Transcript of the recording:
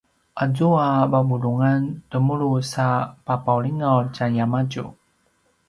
azua vavulungan temulu sa papaulingaw tjayamadju